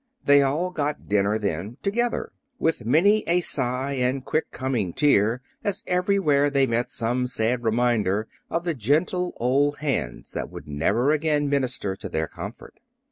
They all got dinner then, together, with many a sigh and quick coming tear as everywhere they met some sad reminder of the gentle old hands that would never again minister to their comfort.